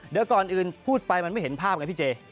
เดี๋ยวก่อนอื่นพูดไปมันไม่เห็นภาพไงพี่เจ